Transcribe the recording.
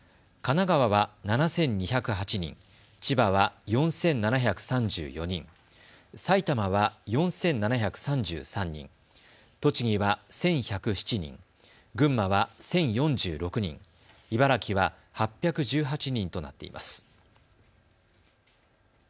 神奈川は７２０８人、千葉は４７３４人、埼玉は４７３３人、栃木は１１０７人、群馬は１０４６人、茨城は８１８人となっています。